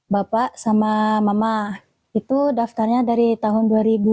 bapak sama mama itu daftarnya dari tahun dua ribu dua